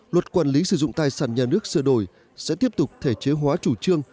luật quản lý sử dụng tài sản nhà nước sửa đổi sẽ tiếp tục thể chế hóa chủ trương